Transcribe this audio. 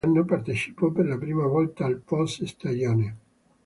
Nello stesso anno partecipò per la prima volta al post stagione.